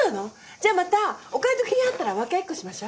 じゃあまたお買い得品あったら分け合いっこしましょ。